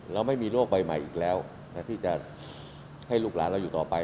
เราไม่มีโรคใบใหม่อีกแล้วที่จะให้ลูกหลานเราอยู่ต่อไป